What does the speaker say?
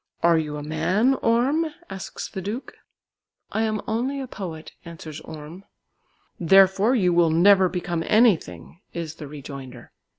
"Are you a man, Orm?" asks the duke. "I am only a poet," answers Orm. "Therefore you will never become anything," is the rejoinder.